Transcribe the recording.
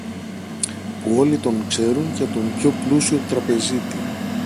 όπου όλοι τον ξέρουν για τον πιο πλούσιο τραπεζίτη.